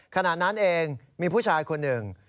ขณะนั้นเองมีผู้ชายคนหนึ่ง